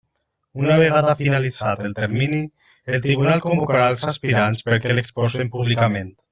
Una vegada finalitzat el termini, el tribunal convocarà els aspirants perquè l'exposen públicament.